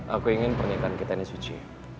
aku ingin pernikahan kita ini suci